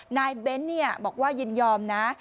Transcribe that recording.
นายเบ้นบอกว่ายินยอมนะ